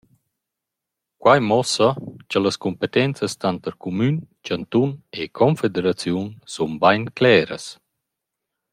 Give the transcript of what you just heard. Quai muossa cha las competenzas tanter cumün, chantun e confederaziun sun bain cleras.